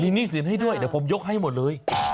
หนี้สินให้ด้วยเดี๋ยวผมยกให้หมดเลย